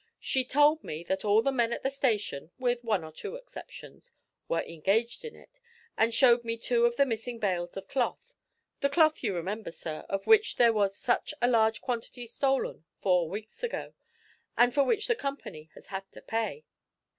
She told me that all the men at the station, with one or two exceptions, were engaged in it, and showed me two of the missing bales of cloth the cloth, you remember, sir, of which there was such a large quantity stolen four weeks ago, and for which the company has had to pay.